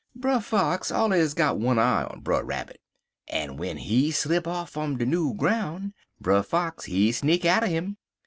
"Brer Fox allers got one eye on Brer Rabbit, en w'en he slip off fum de new groun', Brer Fox he sneak atter 'im.